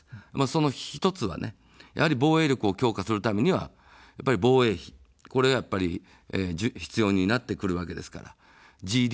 その１つは、防衛力を強化するためには防衛費、これがやっぱり必要になってくるわけですから。